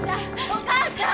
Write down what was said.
お母ちゃん！